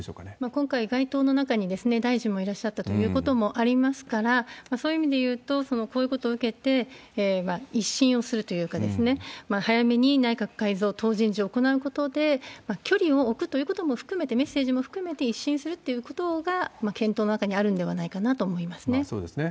今回、該当の中に大臣もいらっしゃったということもありますから、そういう意味でいうと、こういうことを受けて、一新をするというか、早めに内閣改造、党人事を行うことで距離を置くということも含めて、メッセージも含めて、一新するっていうことが検討の中にあるんではないかなと思いますそうですね。